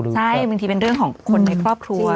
ใช่บางทีเป็นเรื่องของคนในครอบครัว